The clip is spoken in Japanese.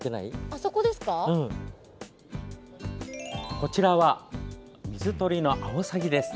こちらは水鳥のアオサギです。